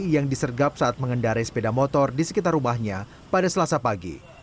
yang disergap saat mengendarai sepeda motor di sekitar rumahnya pada selasa pagi